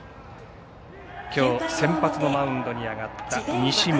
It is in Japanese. きょう先発のマウンドに上がった西村。